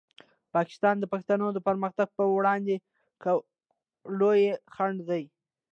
پاکستان د پښتنو د پرمختګ په وړاندې لوی خنډ دی.